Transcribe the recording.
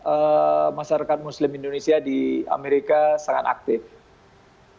eee masyarakat muslim indonesia di amerika sangat aktif hai baik masyarakat muslim indonesia